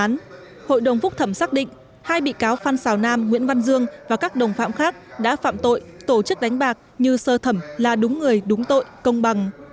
trong đó hội đồng phúc thẩm xác định hai bị cáo phan xào nam nguyễn văn dương và các đồng phạm khác đã phạm tội tổ chức đánh bạc như sơ thẩm là đúng người đúng tội công bằng